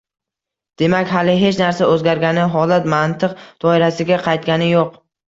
Demak, hali hech narsa o‘zgargani, holat mantiq doirasiga qaytgani yo‘q.